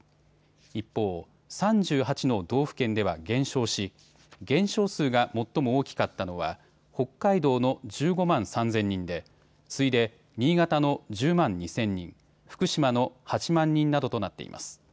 一方、３８の道府県では減少し減少数が最も大きかったのは北海道の１５万３０００人で次いで新潟の１０万２０００人、福島の８万人などとなっています。